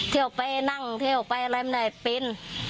เที่ยวไปนั่งเที่ยวไปอะไรไม่ได้เป็น